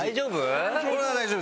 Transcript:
大丈夫？